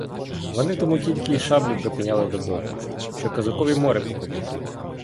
Вони тому тільки й шаблю припиняли до боку, що козакові море по коліна.